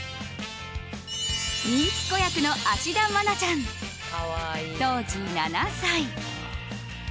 人気子役の芦田愛菜ちゃん当時７歳。